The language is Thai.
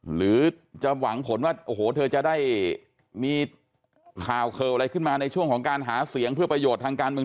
หรือจะหวังผลว่าโอ้โหเธอจะได้มีข่าวอะไรขึ้นมาในช่วงของการหาเสียงเพื่อประโยชน์ทางการเมือง